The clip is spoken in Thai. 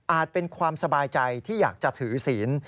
เป็นความสบายใจที่อยากจะถือศีล